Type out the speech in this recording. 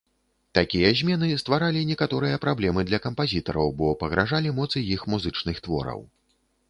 Такія змены стваралі некаторыя праблемы для кампазітараў, бо пагражалі моцы іх музычных твораў.